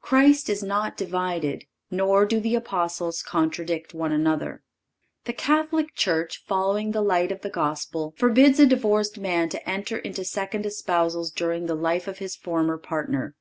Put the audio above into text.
Christ is not divided, nor do the Apostles contradict one another. The Catholic Church, following the light of the Gospel, forbids a divorced man to enter into second espousals during the life of his former partner.